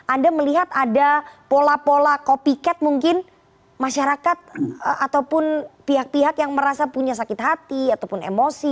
anda melihat ada pola pola copy cat mungkin masyarakat ataupun pihak pihak yang merasa punya sakit hati ataupun emosi